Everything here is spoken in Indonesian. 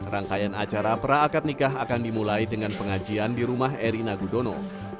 rangkaian acara pra akad nikah akan dimulai dengan pengajian di rumah erina gudono